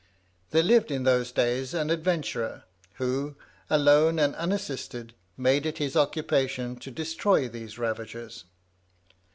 There lived in those days an adventurer, who, alone and unassisted, made it his occupation to destroy these ravagers.